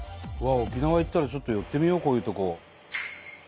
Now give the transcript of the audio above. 沖縄行ったらちょっと寄ってみようこういうとこ。